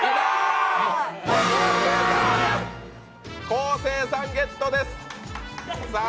昴生さん、ゲットです。